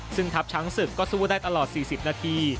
ซึ่งทัพช้างศึกก็สู้ได้ตลอด๔๐นาที